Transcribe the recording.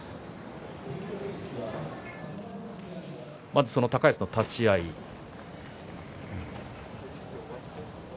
まず高安の立ち合いです。